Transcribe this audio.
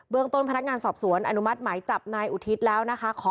ต้นพนักงานสอบสวนอนุมัติหมายจับนายอุทิศแล้วนะคะ